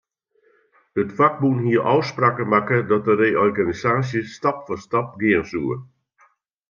It fakbûn hie ôfspraken makke dat de reorganisaasje stap foar stap gean soe.